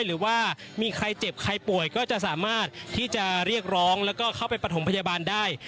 หรือว่ามีใครเจ็บใครป่วยก็จะสามารถที่จะเรียกร้องแล้วก็เข้าไปประถมพยาบาลได้